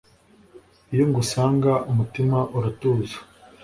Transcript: iyo ngusanga umutima uratuza